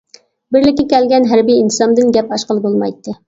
بىرلىككە كەلگەن ھەربىي ئىنتىزامدىن گەپ ئاچقىلى بولمايتتى.